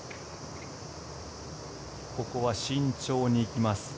ここは慎重に行きます。